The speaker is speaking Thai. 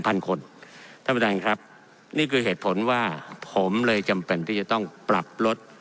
พันคนท่านประธานครับนี่คือเหตุผลว่าผมเลยจำเป็นที่จะต้องปรับลด